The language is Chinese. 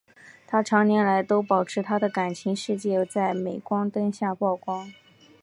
她长年来都保持她的感情世界不在镁光灯下曝光。